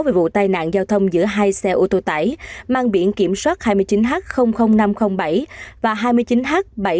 về vụ tai nạn giao thông giữa hai xe ô tô tải mang biển kiểm soát hai mươi chín h năm trăm linh bảy và hai mươi chín h bảy mươi nghìn hai trăm ba mươi bốn